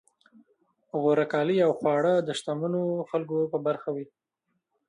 غوره کالي او خواړه د شتمنو خلکو په برخه وي.